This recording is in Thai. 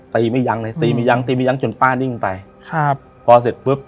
ไม่ยั้งเลยตีไม่ยั้งตีไม่ยั้งจนป้านิ่งไปครับพอเสร็จปุ๊บ